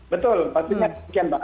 betul pastinya begini pak